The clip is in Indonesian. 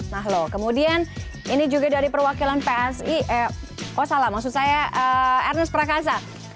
nah loh kemudian ini juga dari perwakilan psi eh salah maksud saya ernest prakasa